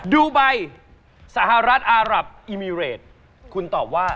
ดูไบสหรัฐอารับอิมิเรตคุณตอบว่า